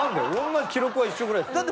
同じ記録は一緒ぐらいですよ。